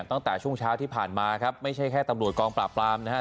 ตั้งแต่ช่วงเช้าที่ผ่านมาครับไม่ใช่แค่ตำรวจกองปราบปรามนะครับ